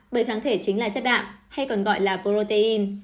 bởi kháng thể chính là chất đạm hay còn gọi là protein